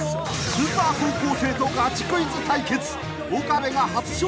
［スーパー高校生とガチクイズ対決］